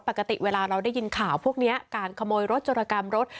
ปกติเวลาเราได้ยินข่าวพวกนี้การขโมยรถจรกรรมรถ